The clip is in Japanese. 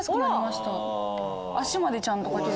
足までちゃんと描ける。